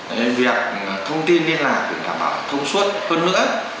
đấy việc thông tin liên lạc để đảm bảo thông suất hơn nữa